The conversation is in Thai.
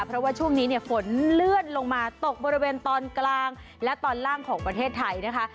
เพราะว่าช่วงนี้เนี่ยฝนเลื่อนลงมาตกบริเวณตอนกลางและตอนล่างของประเทศไทยนะคะ